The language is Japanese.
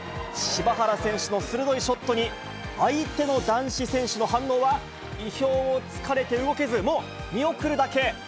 柴原選手の鋭いショットに相手の男子選手の反応は、意表をつかれて動けず、もう見送るだけ。